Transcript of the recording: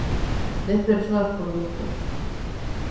Dez persoas por grupo.